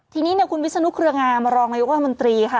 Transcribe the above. ทีนี้คุณวิศนุเครืองามารองนายกว่ามนตรีค่ะ